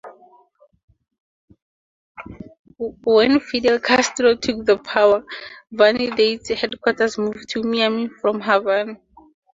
When Fidel Castro took the power, "Vanidades"' headquarters moved to Miami from Havana.